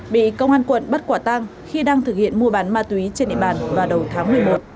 bị công an quận bắt quả tang khi đang thực hiện mua bán ma túy trên địa bàn vào đầu tháng một mươi một